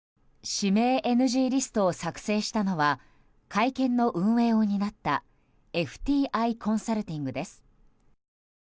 指名ＮＧリストを作成したのは会見の運営を担ったＦＴＩコンサルティングです。